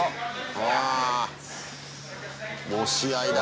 ああ押し合いだ。